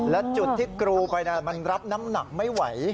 และจุดที่กรูไปมันรับน้ำหนักไม่ไหว